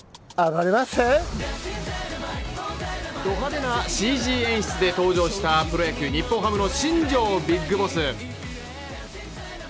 ど派手なＣＧ演出で登場したプロ野球日本ハムの新庄ビッグボス